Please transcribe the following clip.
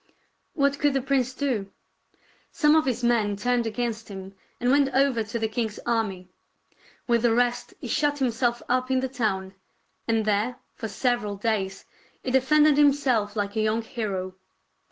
What could the prince do.? Some of his men turned against him and went over to the king's army. With the rest he shut himself up in the town, and there, for several days, he defended himself like a young hero.